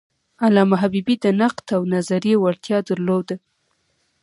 علامه حبیبي د نقد او نظریې وړتیا درلوده.